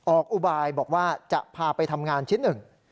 อุบายบอกว่าจะพาไปทำงานชิ้นหนึ่ง